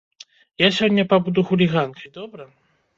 Я сёння пабуду хуліганкай, добра?